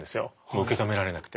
受け止められなくて。